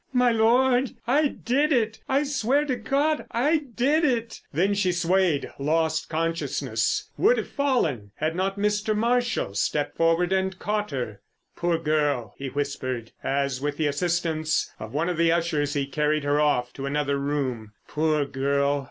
"My Lord, I did it! I swear to God I did it!" Then she swayed, lost consciousness, would have fallen had not Mr. Marshall stepped forward and caught her. "Poor girl!" he whispered, as with the assistance of one of the ushers he carried her off to another room. "Poor girl!